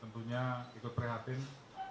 itu yang lebih penting